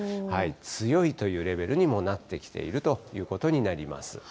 強いというレベルにもうなってきているということになります。